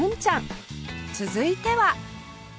続いては